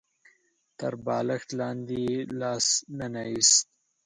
تر بالښت لاندې يې لاس ننه ايست.